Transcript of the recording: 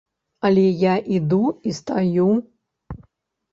Але я іду і стаю.